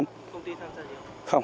công ty tham gia đi không